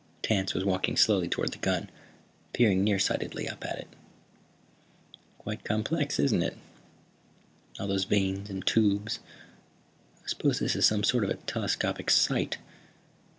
Tance was walking slowly toward the gun, peering nearsightedly up at it. "Quite complex, isn't it? All those vanes and tubes. I suppose this is some sort of a telescopic sight."